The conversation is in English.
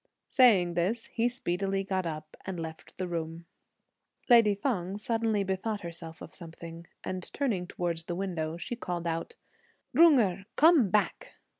Saying this, he speedily got up and left the room. Lady Feng suddenly bethought herself of something, and turning towards the window, she called out, "Jung Erh, come back."